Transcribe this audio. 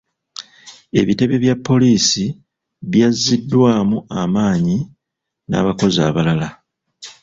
Ebitebe bya poliisi byazziddwamu amaanyi n'abakozi abalala.